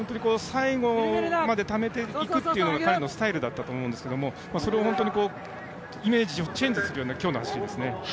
最後までためていくっていうのが彼のスタイルだったと思うんですけれどもそれをイメージをチェンジするような今日の走りですね。